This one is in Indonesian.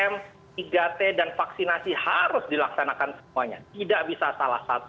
tiga m tiga t dan vaksinasi harus dilaksanakan semuanya tidak bisa salah satu